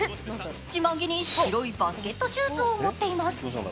自慢げに白いバスケットシューズを持っています。